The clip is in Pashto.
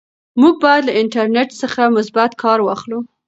موږ باید له انټرنیټ څخه مثبت کار واخلو.